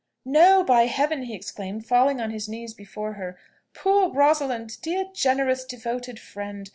"No, by Heaven!" he exclaimed, falling on his knees before her. "Poor Rosalind! dear, generous, devoted friend!